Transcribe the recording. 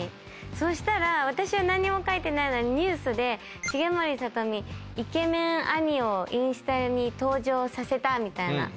そしたら私は何にも書いてないのにニュースで「重盛さと美イケメン兄をインスタに登場させた」みたいな。